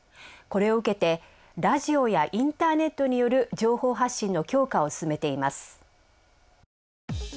これを受けてラジオやインターネットによる情報発信の強化を進めています。